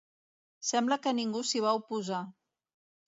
Sembla que ningú s'hi va oposar.